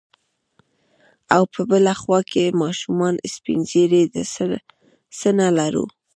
او په بله خوا کې ماشومان، سپين ږيري، د څه نه لرو.